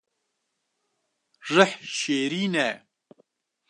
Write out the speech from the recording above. Rih şêrîn e